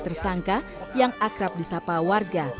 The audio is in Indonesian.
tersangka yang akrab di sapa warga